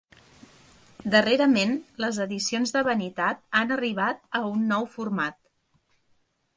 Darrerament, les edicions de vanitat han arribat a un nou format.